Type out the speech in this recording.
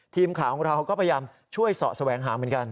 ทีมข่าวของเราก็พยายามช่วยเสาะแสวงหาเหมือนกัน